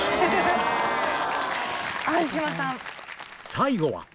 最後は